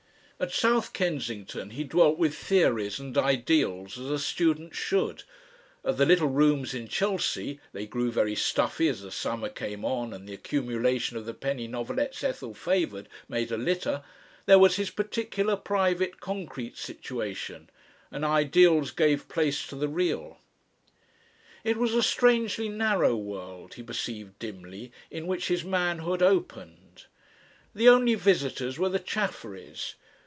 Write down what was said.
At South Kensington he dwelt with theories and ideals as a student should; at the little rooms in Chelsea they grew very stuffy as the summer came on, and the accumulation of the penny novelettes Ethel favoured made a litter there was his particular private concrete situation, and ideals gave place to the real. It was a strangely narrow world, he perceived dimly, in which his manhood opened. The only visitors were the Chafferys.